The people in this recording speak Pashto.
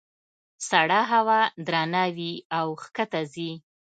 سړه هوا درنه وي او ښکته ځي.